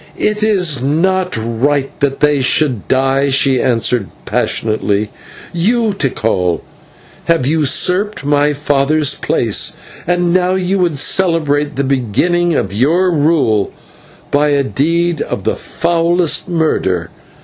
"It is not right that they should die," she answered passionately. "You, Tikal, have usurped my father's place, and now you would celebrate the beginning of your rule by a deed of the foulest murder.